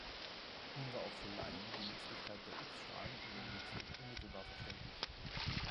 Nun war auch für Laien die Nützlichkeit der „X-Strahlen“ in der Medizin unmittelbar verständlich.